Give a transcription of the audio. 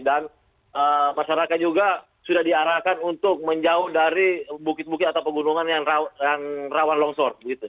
dan masyarakat juga sudah diarahkan untuk menjauh dari bukit bukit atau gunungan yang rawan longsor